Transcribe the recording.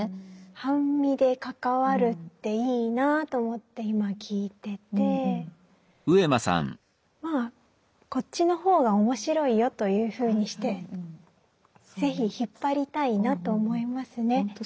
半身で関わるっていいなと思って今聞いててこっちの方が面白いよというふうにして是非引っ張りたいなと思いますね。